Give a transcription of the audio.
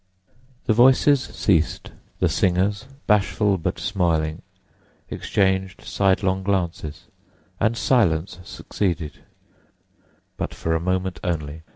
The voices ceased, the singers, bashful but smiling, exchanged sidelong glances, and silence succeeded—but for a moment only.